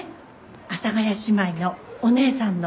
阿佐ヶ谷姉妹のお姉さんの。